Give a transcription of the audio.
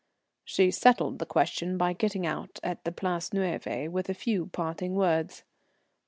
She settled the question by getting out at the Place Neuve with a few parting words.